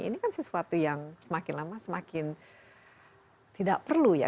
ini kan sesuatu yang semakin lama semakin tidak perlu ya